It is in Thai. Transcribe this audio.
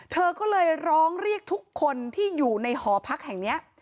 เธอก็เลยร้องเรียกทุกคนที่อยู่ในหอพักแห่งนี้